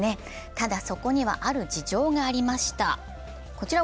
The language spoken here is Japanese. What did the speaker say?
ただ、そこにはある事情がありました。